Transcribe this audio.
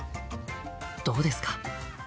どうですか？